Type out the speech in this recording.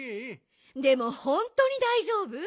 でもほんとにだいじょうぶ？